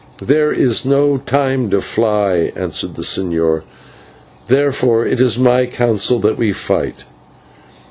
"There is no time to fly," answered the señor, "therefore it is my counsel that we fight."